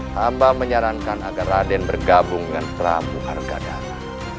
hamba menyarankan agar raden bergabung dengan prabu argadana